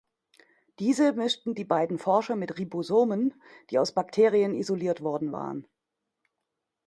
Diese mischten die beiden Forscher mit Ribosomen, die aus Bakterien isoliert worden waren.